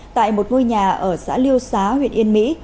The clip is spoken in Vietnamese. tại một ngôi nhà ở xã liêu xá huyện yên mỹ